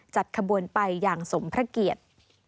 จัดขบวนไปอย่างสมพระเกียรติ